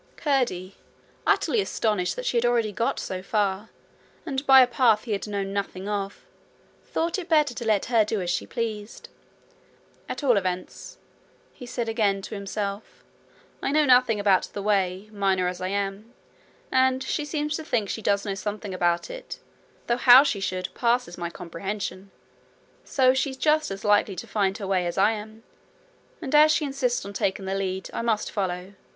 Curdie, utterly astonished that she had already got so far, and by a path he had known nothing of, thought it better to let her do as she pleased. 'At all events,' he said again to himself, 'I know nothing about the way, miner as I am; and she seems to think she does know something about it, though how she should passes my comprehension. So she's just as likely to find her way as I am, and as she insists on taking the lead, I must follow.